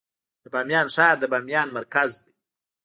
د بامیان ښار د بامیان مرکز دی